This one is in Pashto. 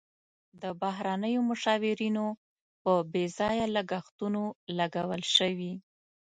د بهرنیو مشاورینو په بې ځایه لګښتونو لګول شوي.